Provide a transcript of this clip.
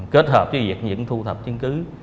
kết hợp với việc những thu thập chứng cứ